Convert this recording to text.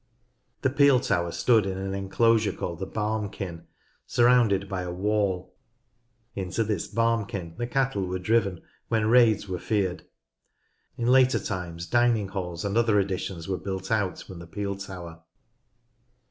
The peel tower stood in an enclosure called the "barmkyn," surrounded by a wall. Into this barmkyn the cattle were driven when raids were 138 NORTH LANCASHIRE feared. In later times dinins; halls and other additions were built out from the peel tower.